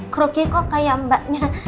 gerogi kok kayak mbaknya